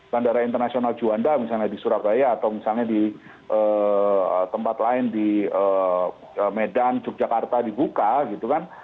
bandara internasional juanda misalnya di surabaya atau misalnya di tempat lain di medan yogyakarta dibuka gitu kan